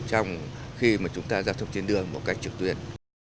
trong khi chúng ta giao thông trên đường một cách trực tuyến